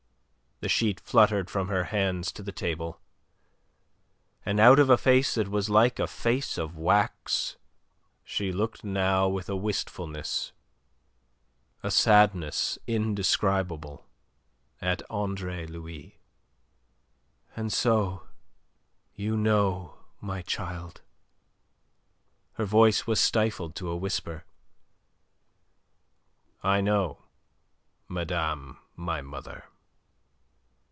The sheet fluttered from her hands to the table, and out of a face that was like a face of wax, she looked now with a wistfulness, a sadness indescribable, at Andre Louis. "And so you know, my child?" Her voice was stifled to a whisper. "I know, madame my mother."